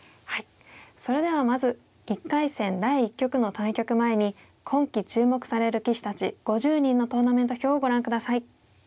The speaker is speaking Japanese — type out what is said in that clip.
それではまず１回戦第１局の対局前に今期注目される棋士たち５０人のトーナメント表をご覧下さい。